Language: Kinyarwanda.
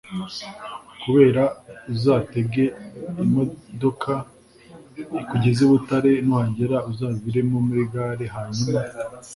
kabera uzatege imodoka ikugeze i butare, nuhagera uzaviremo muri gare, hanyuma